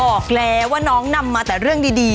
บอกแล้วว่าน้องนำมาแต่เรื่องดี